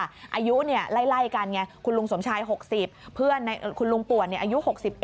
อายุไล่กันไงคุณลุงสมชาย๖๐เพื่อนคุณลุงป่วนอายุ๖๑